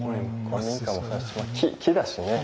古民家もそうだしまあ木だしね。